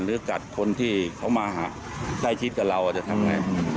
หรือกัดคนที่เขามาใครคิดกับเราจะทำอย่างไร